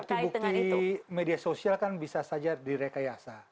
karena bukti bukti media sosial kan bisa saja direkayasa